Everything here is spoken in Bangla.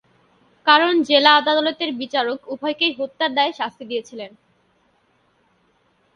কারণ জেলা আদালতের বিচারক উভয়কেই হত্যার দায়ে শাস্তি দিয়েছিলেন।